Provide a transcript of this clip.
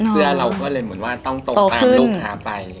เสื้อเราก็เลยต้องโตตามลูกค้าไป